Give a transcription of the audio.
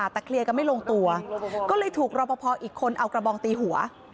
แต่เคลียร์กันไม่ลงตัวก็เลยถูกรอปภอีกคนเอากระบองตีหัว